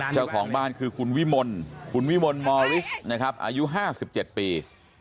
เจ้าของบ้านคือคุณวิมลคุณวิมลมอริสนะครับอายุ๕๗ปี